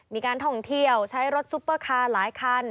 มีการท่องเที่ยวใช้รถซุปเปอร์คาร์หลายคัน